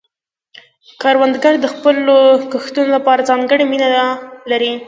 کروندګر د خپلو کښتونو لپاره ځانګړې مینه لري